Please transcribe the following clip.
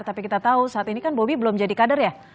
tapi kita tahu saat ini kan bobi belum jadi kader ya